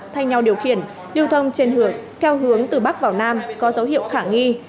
thay nhau điều khiển lưu thông trên hưởng keo hướng từ bắc vào nam có dấu hiệu khả nghi